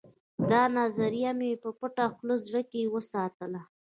دا نظریه مې په پټه خوله زړه کې وساتله